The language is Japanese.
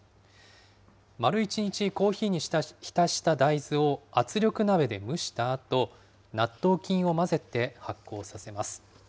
丸一日コーヒーに浸した大豆を圧力鍋で蒸したあと、納豆菌を混ぜて発酵させます。